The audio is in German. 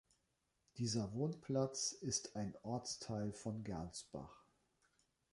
Dieser Wohnplatz ist ein Ortsteil von Gernsbach.